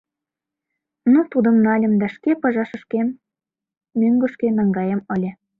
Ну, тудым нальым да шке пыжашышкем мӧҥгышкӧ наҥгаем ыле.